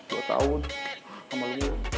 dua tahun sama lu